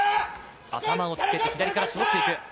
頭をつけて左から絞っていく。